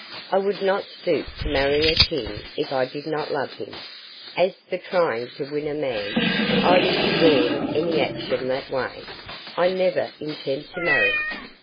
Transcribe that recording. I would not stoop to marry a king if I did not love him. As for trying to win a man, I would scorn any action that way; I never intend to marry.